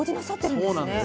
そうなんです。